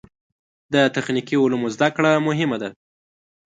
د تخنیکي علومو زده کړه مهمه ده.